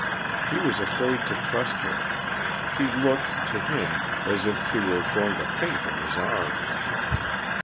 He was afraid to trust her; she looked, to him, as if she were going to faint in his arms.